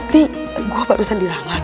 tih gue baru saja diramal